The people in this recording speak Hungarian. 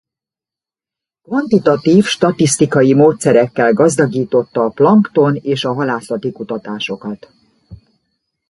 Kvantitatív statisztikai módszerekkel gazdagította a plankton- és a halászati kutatásokat.